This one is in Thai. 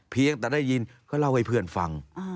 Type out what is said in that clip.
เพียงแต่ได้ยินก็เล่าให้เพื่อนฟัง